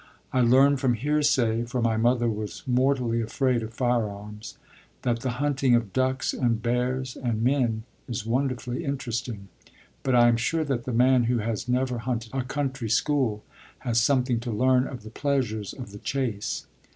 I learn from hearsay (for my mother was mortally afraid of firearms) that the hunting of ducks and bears and men is wonderfully interesting, but I am sure that the man who has never hunted a country school has something to learn of the pleasures of the chase.